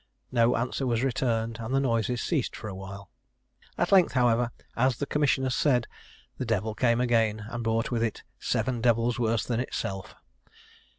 No answer was returned, and the noises ceased for a while. At length, however, as the commissioners said, "the devil came again, and brought with it seven devils worse than itself."